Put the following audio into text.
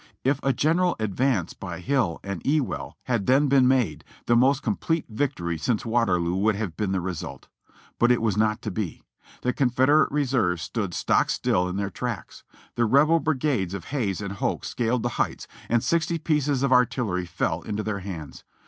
If a general advance by Hill and Ewell had then been made, the most complete victory since Waterloo would have been the result. But it was not to be. The Confederate reserves stood stock still in their tracks. The Rebel brigades of Hays and Hoke scaled the heights, and sixty pieces of artillery fell into their hands.